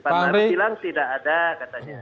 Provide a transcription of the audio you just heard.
pak maruf bilang tidak ada katanya